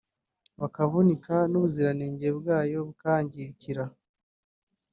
bakavunika n’ubuziranenge bwazo bukahangiikira